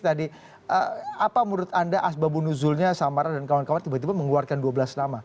tadi apa menurut anda asbabunuzulnya samara dan kawan kawan tiba tiba mengeluarkan dua belas nama